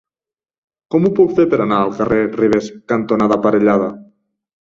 Com ho puc fer per anar al carrer Ribes cantonada Parellada?